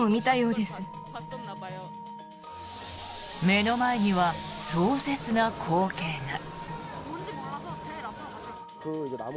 目の前には壮絶な光景が。